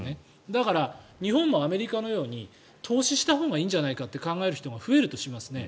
だから日本もアメリカのように投資したほうがいいんじゃないかって考える人が増えるとしますね。